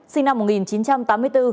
sinh năm một nghìn chín trăm tám mươi bốn